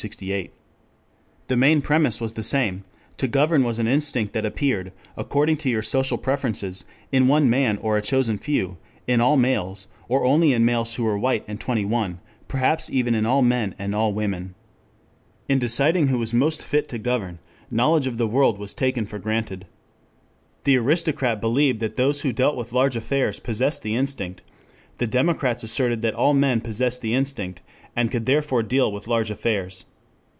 ] The main premise was the same: to govern was an instinct that appeared, according to your social preferences, in one man or a chosen few, in all males, or only in males who were white and twenty one, perhaps even in all men and all women. In deciding who was most fit to govern, knowledge of the world was taken for granted. The aristocrat believed that those who dealt with large affairs possessed the instinct, the democrats asserted that all men possessed the instinct and could therefore deal with large affairs.